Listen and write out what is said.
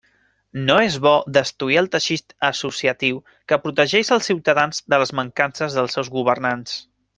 No és bo destruir el teixit associatiu que protegeix els ciutadans de les mancances dels seus governants.